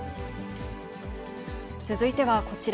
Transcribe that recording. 続いてはこちら。